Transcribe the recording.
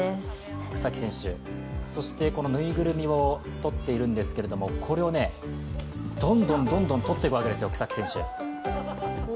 草木選手、そしてこのぬいぐるみを取っているんですけれども、これをね、どんどん取っていくわけですよ、草木選手。